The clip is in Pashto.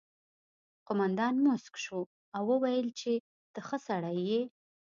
قومندان موسک شو او وویل چې ته ښه سړی یې